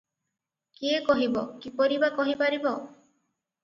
କିଏ କହିବ; କିପରି ବା କହିପାରିବ?